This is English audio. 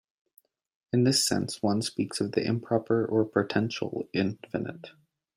In this sense one speaks of the improper or potential infinite.